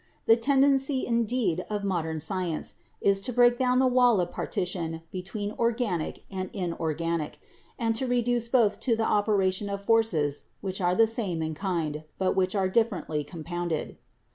The tendency, indeed, of modern science is to break down the wall of partition between organic and inorganic, and to reduce both to the operation of forces which are the same in kind, but which are differently compounded.